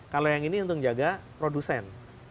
kalau yang ini untuk jaga produsen